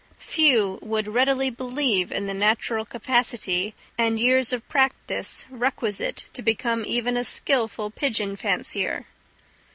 Few would readily believe in the natural capacity and years of practice requisite to become even a skilful pigeon fancier.